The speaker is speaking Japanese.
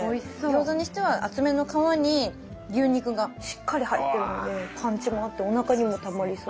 餃子にしては厚めの皮に牛肉がしっかり入ってるんでパンチもあっておなかにもたまりそうで。